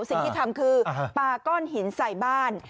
สิ่งที่ทำคือปาก้อนหินใส่บ้าน